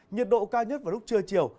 nhiệt độ cao nhất vào lúc trưa chiều